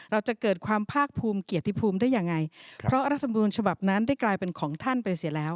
เราจะเกิดความภาคภูมิเกียรติภูมิได้ยังไงเพราะรัฐมนูญฉบับนั้นได้กลายเป็นของท่านไปเสียแล้ว